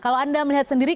kalau anda melihat sendiri